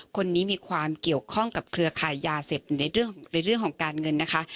คนนี้มีความเกี่ยวข้องกับเครือขายยาเสพในเรื่องของการเงินนะคะ